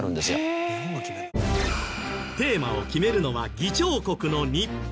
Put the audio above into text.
テーマを決めるのは議長国の日本。